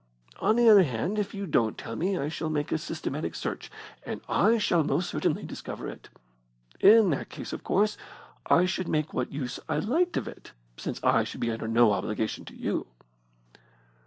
On the other hand, if you don't tell me I shall make a systematic search, and I shall most certainly discover it. In that case, of course, I should make what use I liked of it, since I should be under no obligation to you."